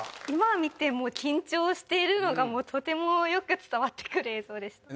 今見ても緊張しているのがとてもよく伝わってくる映像です